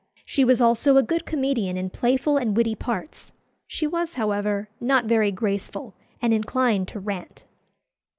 She was also a good comedian in playful and witty parts. She was, however, not very graceful, and inclined to rant.